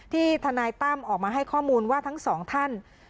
ทนายตั้มออกมาให้ข้อมูลว่าทั้งสองท่าน